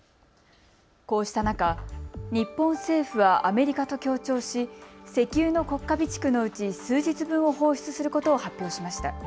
こうした中、日本政府はアメリカと協調し石油の国家備蓄のうち数日分を放出することを発表しました。